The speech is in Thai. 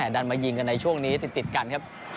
ดันมายิงกันในช่วงนี้ติดกันครับ